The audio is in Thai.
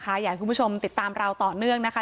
อยากให้คุณผู้ชมติดตามเราต่อเนื่องนะคะ